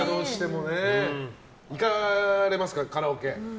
行かれますか、カラオケ。